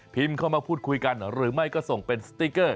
เข้ามาพูดคุยกันหรือไม่ก็ส่งเป็นสติ๊กเกอร์